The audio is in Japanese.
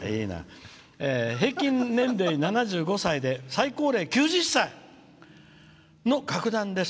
「平均年齢７５歳で最高齢９０歳の楽団です。